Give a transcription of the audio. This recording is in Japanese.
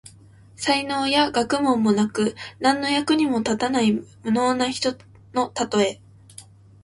才能や学問もなく、何の役にも立たない無能な人のたとえ。